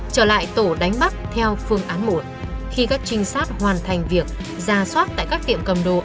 trở lại tổ đánh bắt theo phương án một khi các trinh sát hoàn thành việc ra soát tại các tiệm cầm đồ ở hạ long